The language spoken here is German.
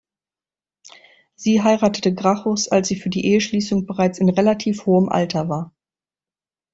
Sie heiratete Gracchus, als sie für die Eheschließung bereits in relativ hohem Alter war.